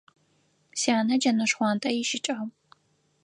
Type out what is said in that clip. Сянэ джэнэ шхъуантӏэ ищыкӏагъ.